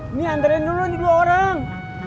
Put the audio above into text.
ini andarin dulu nih dua orang